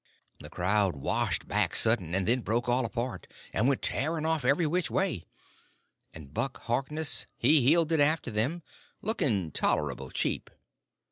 The crowd washed back sudden, and then broke all apart, and went tearing off every which way, and Buck Harkness he heeled it after them, looking tolerable cheap.